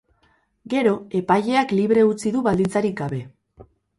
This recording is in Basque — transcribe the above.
Gero, epaileak libre utzi du baldintzarik gabe.